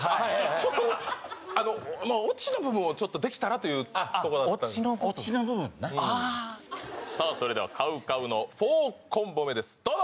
ちょっとあのオチの部分をちょっとできたらというとこだったんですあっオチの部分オチの部分なさあそれではＣＯＷＣＯＷの４コンボ目ですどうぞ！